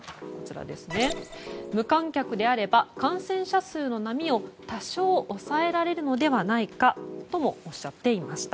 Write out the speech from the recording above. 無観客であれば感染者数の波を多少抑えられるのではないかともおっしゃっていました。